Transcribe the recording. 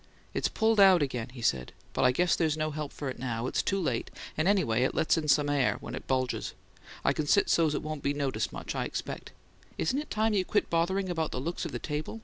"It's pulled out again," he said. "But I guess there's no help for it now; it's too late, and anyway it lets some air into me when it bulges. I can sit so's it won't be noticed much, I expect. Isn't it time you quit bothering about the looks of the table?